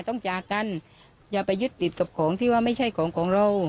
จากกันอย่าไปยึดติดกับของที่ว่าไม่ใช่ของของเรา